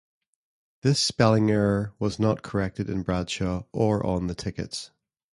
This spelling error was not corrected in Bradshaw or on the tickets.